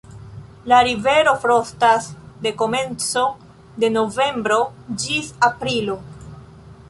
La rivero frostas de komenco de novembro ĝis aprilo.